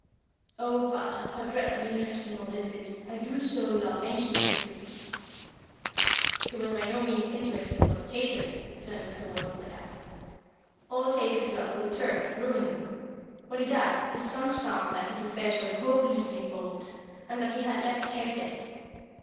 "Oh, father, how dreadfully interesting all this is! I do so love ancient history." "It was by no means interesting for the Chaytors," returned Mr. Ward, with a laugh. "Old Chaytor's love for the turf ruined them. When he died, his sons found that his affairs were hopelessly involved, and that he had left heavy debts.